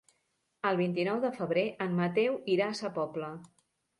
El vint-i-nou de febrer en Mateu irà a Sa Pobla.